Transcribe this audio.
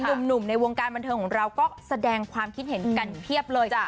หนุ่มในวงการบันเทิงของเราก็แสดงความคิดเห็นกันเพียบเลย